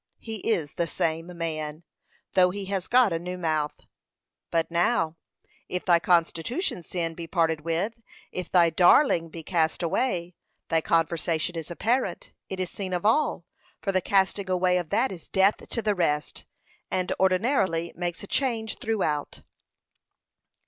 He is the same man, though he has got a new mouth. But now, if thy constitution sin be parted with, if thy darling be cast away, thy conversion is apparent, it is seen of all, for the casting away of that is death to the rest, and ordinarily makes a change throughout.